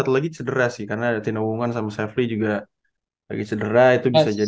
ya mungkin lagi cedera sih karena ada tindakan sama sheffly juga lagi cedera itu bisa jadi